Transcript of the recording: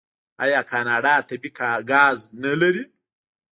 آیا کاناډا طبیعي ګاز نلري؟